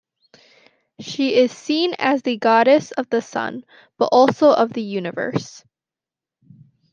She is seen as the goddess of the sun, but also of the universe.